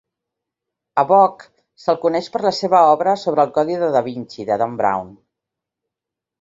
A Bock se'l coneix per la seva obra sobre el "Codi de Da Vinci" de Dan Brown.